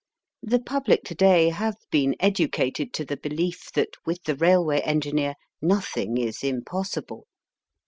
The public to day have been educated to the belief that with the railway engineer nothing is impossible.